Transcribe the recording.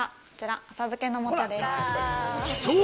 そう！